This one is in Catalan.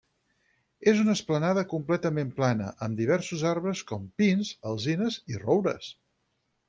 És una esplanada completament plana amb diversos arbres com pins, alzines i roures.